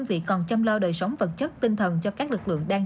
bên cạnh đó thì ở địa phương này